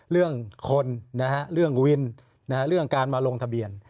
เรื่องคนเรื่องวินเรื่องการมาลงทะเบียน